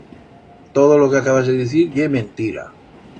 Todo lo que acabas de dicir ye mentira.